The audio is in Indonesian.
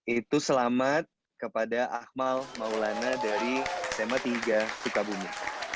itu selamat kepada akmal maulana dari sema tiga suka bumi